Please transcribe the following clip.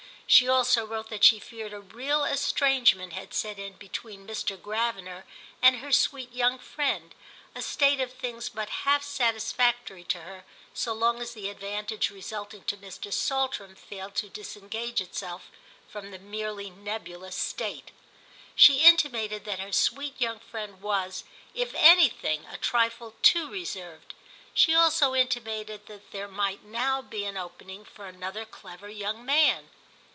She also wrote that she feared a real estrangement had set in between Mr. Gravener and her sweet young friend—a state of things but half satisfactory to her so long as the advantage resulting to Mr. Saltram failed to disengage itself from the merely nebulous state. She intimated that her sweet young friend was, if anything, a trifle too reserved; she also intimated that there might now be an opening for another clever young man.